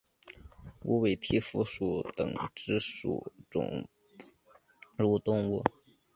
无尾蹄蝠属等之数种哺乳动物。